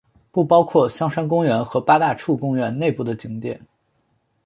不包括香山公园和八大处公园内部的景点。